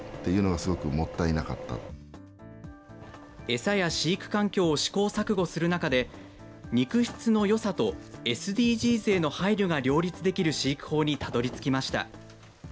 餌や飼育環境を試行錯誤する中で、肉質のよさと、ＳＤＧｓへの配慮が両立できる飼育法にたどりつきました。